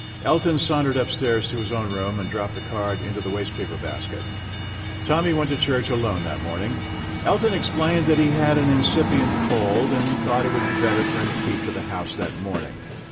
Elton sauntered upstairs to his own THE BOY AND THE PESSIMIST 109 room, and dropped the card into the waste paper bas ket. Tommy went to church alone that morning. Elton explained that he had an incipient cold, and thought it would be better for him to keep to the house that morning.